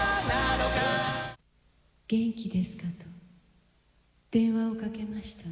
「元気ですか」と電話をかけました。